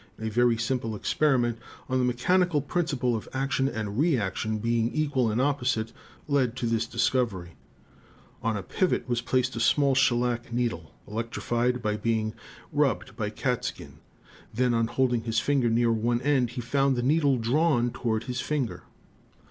A very sim ple experiment, on the mechanical principle of action and reaction being equal and opposite, led to this discovery On a pivot was placed a small shellac needle electrified by being rubbed by catskin. Then, on holding his finger near one end, he found the needle drawn toward his finger.